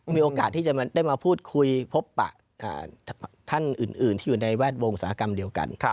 มีโอกาสที่จะได้มาพูดคุยพบปะท่านอื่นที่อยู่ในแวดวงอุตสาหกรรมเดียวกัน